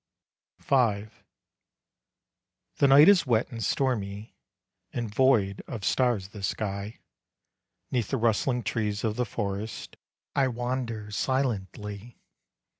V. The night is wet and stormy, And void of stars the sky; 'Neath the rustling trees of the forest I wander silently.